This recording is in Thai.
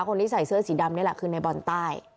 คนที่ใส่เสื้อสีดำนี่แหละคือในบอลใต้